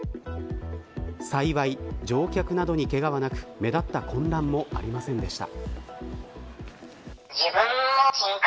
幸い、乗客などにけがはなく目立った混乱もありませんでした。